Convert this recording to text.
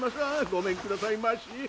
ごめんくださいまし。